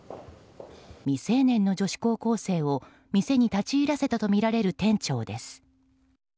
未成年の女子高校生を、店に立ち入らせたとみられる店長です。